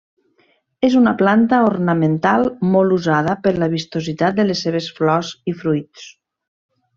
És una planta ornamental molt usada per la vistositat de les seves flors i fruits.